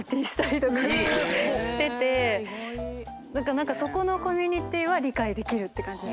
何かそこのコミュニティーは理解できるって感じです。